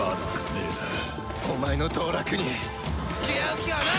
お前の道楽に付き合う気はない！